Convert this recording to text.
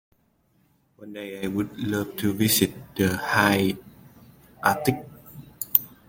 One day, I would love to visit the high Arctic.